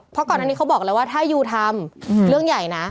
เพราะก่อนอันนี้เขาบอกแล้วว่าถ้ายูทำเรื่องใหญ่นะ